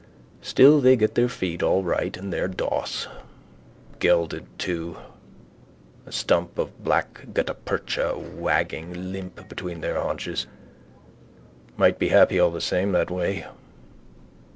Still they get their feed all right and their doss. Gelded too: a stump of black guttapercha wagging limp between their haunches. Might be happy all the same that way.